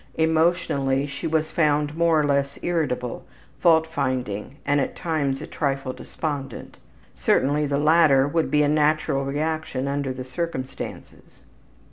Emotionally she was found more or less irritable, fault finding, and at times a trifle despondent. (Certainly the latter would be a natural reaction under the circumstances.)